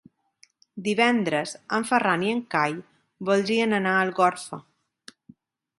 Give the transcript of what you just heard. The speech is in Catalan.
Divendres en Ferran i en Cai voldrien anar a Algorfa.